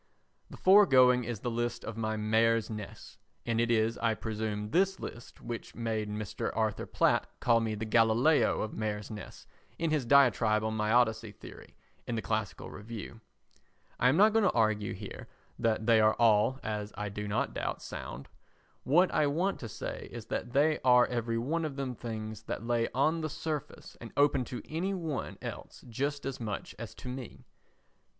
The foregoing is the list of my "mares' nests," and it is, I presume, this list which made Mr. Arthur Platt call me the Galileo of Mares' Nests in his diatribe on my Odyssey theory in the Classical Review. I am not going to argue here that they are all, as I do not doubt, sound; what I want to say is that they are every one of them things that lay on the surface and open to any one else just as much as to me.